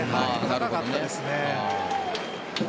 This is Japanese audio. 高かったですね。